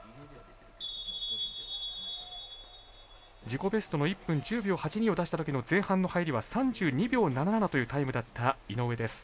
自己ベストの１分１０秒８２を出した時の前半の入りは３２秒７７というタイムだった井上です。